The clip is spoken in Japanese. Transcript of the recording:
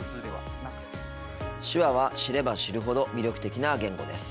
手話は知れば知るほど魅力的な言語です。